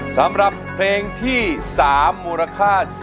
สำหรับเพลงที่๓มูลค่า๔๐๐๐๐บาท